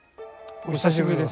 お久しぶりです。